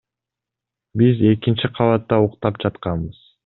Биз экинчи кабатта уктап жатканбыз.